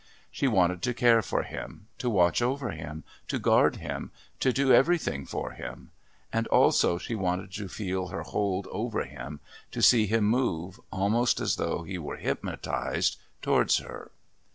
She wanted to care for him, to watch over him, to guard him, to do everything for him, and also she wanted to feel her hold over him, to see him move, almost as though he were hypnotised, towards her.